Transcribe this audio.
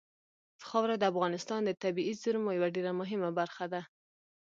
خاوره د افغانستان د طبیعي زیرمو یوه ډېره مهمه برخه ده.